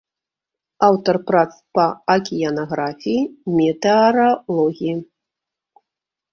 Аўтар прац па акіянаграфіі, метэаралогіі.